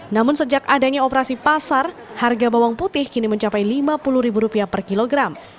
namun sejak adanya operasi pasar harga bawang putih kini mencapai rp lima puluh per kilogram